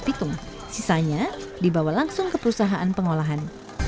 pitung sisanya dibawa langsung ke perusahaan pengolahan